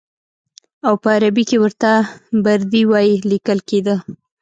او په عربي کې ورته بردي وایي لیکل کېده.